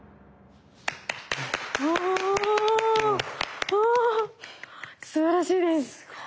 おおすばらしいです。